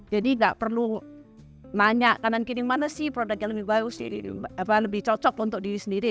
jadi gak perlu nanya kanan kiri mana sih produk yang lebih bagus lebih cocok untuk diri sendiri